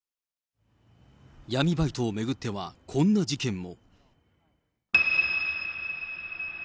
闇バイトを巡っては、こんな事件も。